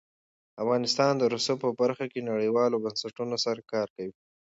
افغانستان د رسوب په برخه کې نړیوالو بنسټونو سره کار کوي.